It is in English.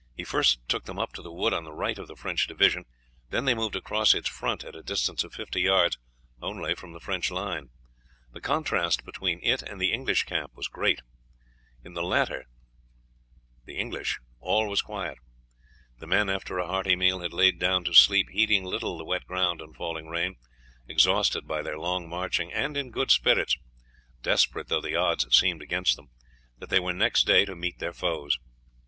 He first took them up to the wood on the right of the French division, then they moved across its front at a distance of fifty yards only from the French line. The contrast between it and the English camp was great. In the latter all was quiet. The men after a hearty meal had lain down to sleep, heeding little the wet ground and falling rain, exhausted by their long marching, and in good spirits, desperate though the odds seemed against them, that they were next day to meet their foes.